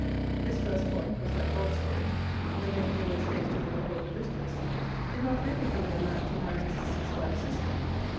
His first point was that God's law, the name he always gave to the Book of Leviticus, did not really forbid a man to marry his deceased wife's sister.